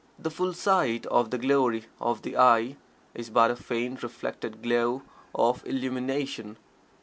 The full sight of the glory of the "I," is but a faint reflected glow of "Illumination."